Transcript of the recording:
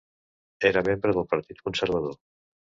Era membre del partit conservador.